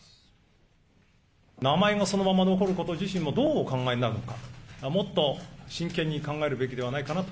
名前がそのまま残ること自身もどうお考えになるのか、もっと真剣に考えるべきではないかなと。